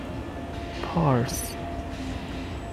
پارس